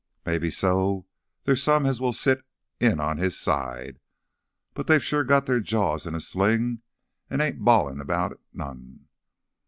Maybe so there're some as will sit in on his side, but they've sure got their jaws in a sling an' ain't bawlin' about it none.